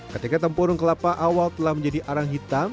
ketika tempurung kelapa awal telah menjadi arang hitam